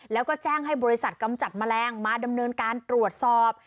แล้วก็แจ้งให้บริษัทกำจัดแมลงมาดำเนินการตรวจสอบ